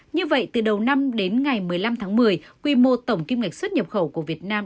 như vậy từ đầu năm đến ngày một mươi năm tháng một mươi quy mô tổng kim ngạch xuất nhập khẩu của việt nam